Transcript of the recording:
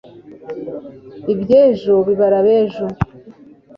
iby'ejo bibara ab'ejo